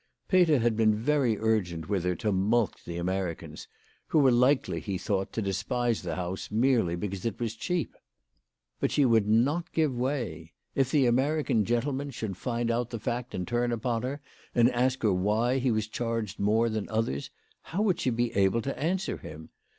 Peter had been very urgent with her to mulct the Americans, who were likely, he thought, to despise the house merely because it was cheap. But she would not give way. If the American gentleman should find out the fact and turn upon her, and ask her why he was charged more than others, how would she be able to answer him